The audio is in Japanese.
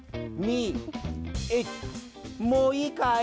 もういいかい？